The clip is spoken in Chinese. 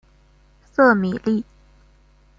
瑟米利。